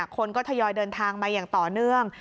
คนก็ทยอยเดินทางมาอย่างต่อเนื่อง